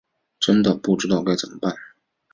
真的不知道该怎么办